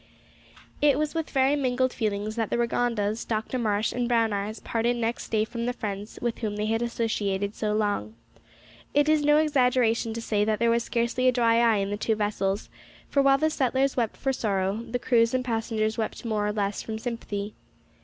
It was with very mingled feelings that the Rigondas, Dr Marsh, and Brown eyes parted next day from the friends with whom they had associated so long. It is no exaggeration to say that there was scarcely a dry eye in the two vessels; for, while the settlers wept for sorrow, the crews and passengers wept more or less from sympathy.